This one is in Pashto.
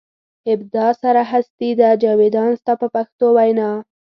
ابدا سره هستي ده جاویدان ستا په پښتو وینا.